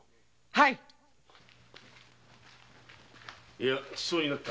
いやちそうになった。